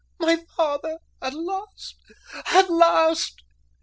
my father! At last, at last!"